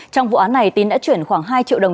trong vụ án này tín đã chuyển khoảng hai triệu đồng